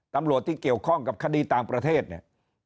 ตำรวจที่เกี่ยวข้องกับคดีต่างประเทศเนี่ย